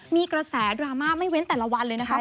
มีกระแสดราม่าไม่เว้นแต่ละวันเลยนะคะ